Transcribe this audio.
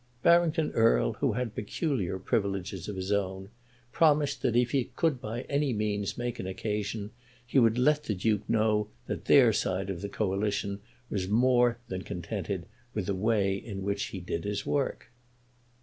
Barrington Erle, who had peculiar privileges of his own, promised that if he could by any means make an occasion, he would let the Duke know that their side of the Coalition was more than contented with the way in which he did his work.